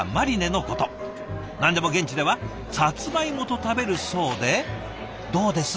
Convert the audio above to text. なんでも現地ではさつまいもと食べるそうでどうです？